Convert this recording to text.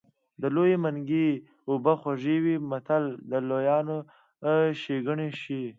د لوی منګي اوبه خوږې وي متل د لویانو ښېګڼې ښيي